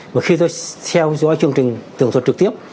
mà khi tôi theo dõi chương trình tưởng thuật trực tiếp